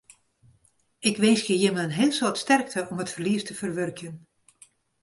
Ik winskje jimme in heel soad sterkte om it ferlies te ferwurkjen.